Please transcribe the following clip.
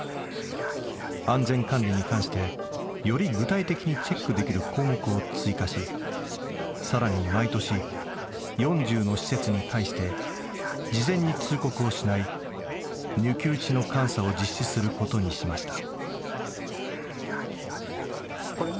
安全管理に関してより具体的にチェックできる項目を追加しさらに毎年４０の施設に対して事前に通告をしない抜き打ちの監査を実施することにしました。